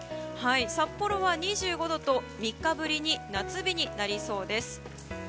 札幌は２５度と３日ぶりに夏日になりそうです。